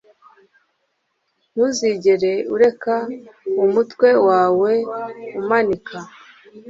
Ntuzigere ureka umutwe wawe umanika.